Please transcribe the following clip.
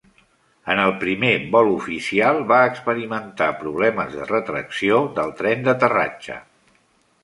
En el primer vol oficial, va experimentar problemes de retracció del tren d'aterratge.